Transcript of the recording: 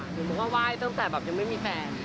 หนูบอกว่าไหว้ตั้งแต่แบบยังไม่มีแฟน